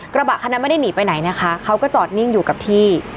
กระบะคันนั้นไม่ได้หนีไปไหนนะคะเขาก็จอดนิ่งอยู่กับที่